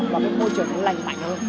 và cái môi trường nó lành mạnh hơn